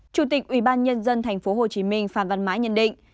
chủ tịch ubnd tp hcm phạm văn mãi nhận định